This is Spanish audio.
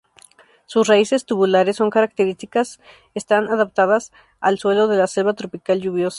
Sus raíces tubulares son características, están adaptadas al suelo de la selva tropical lluviosa.